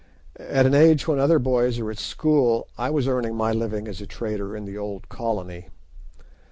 At an age when other boys are at school I was earning my living as a trader in the old Colony.